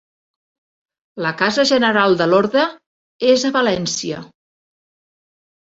La casa general de l'orde és a València.